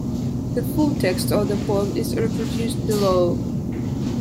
The full text of the poem is reproduced below.